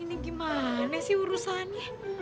ini gimana sih urusannya